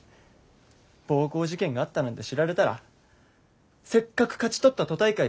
暴行事件があったなんて知られたらせっかく勝ち取った都大会